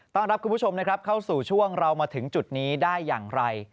รับคุณผู้ชมนะครับเข้าสู่ช่วงเรามาถึงจุดนี้ได้อย่างไร